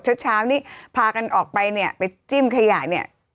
เช้าเช้านี้พากันออกไปเนี่ยไปจิ้มขยะเนี่ย